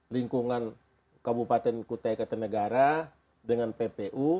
lingkungan kabupaten kutai kartanegara dengan ppu